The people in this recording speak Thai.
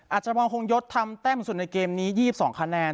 อาจมองคงยดทำแต้มส่วนในเกมนี้ยี่สิบสองคะแนน